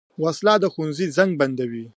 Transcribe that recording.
وسله د ښوونځي زنګ بندوي